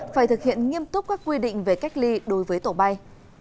phải thực hiện nghiêm túc các quy định về cách ly đối với tổ bay